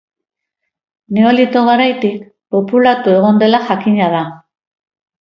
Neolito garaitik populatu egon dela jakina da.